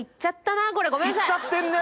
いっちゃってんね！